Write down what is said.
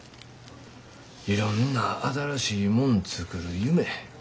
いろんな新しいもん作る夢。